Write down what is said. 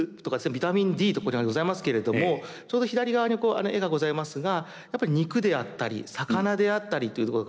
ビタミンＤとここに挙げてございますけれどもちょうど左側に絵がございますがやっぱり肉であったり魚であったりというところが。